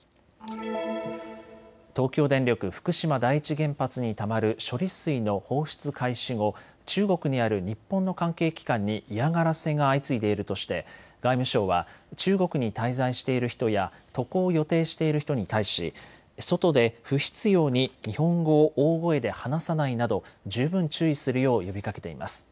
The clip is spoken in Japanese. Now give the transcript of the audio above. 東京電力福島第一原発にたまる処理水の放出開始後、中国にある日本の関係機関に嫌がらせが相次いでいるとして外務省は中国に滞在している人や渡航を予定している人に対し外で不必要に日本語を大声で話さないなど十分注意するよう呼びかけています。